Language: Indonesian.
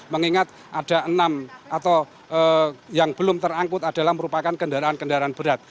mengingat ada enam atau yang belum terangkut adalah merupakan kendaraan kendaraan berat